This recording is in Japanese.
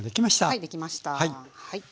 はいできました。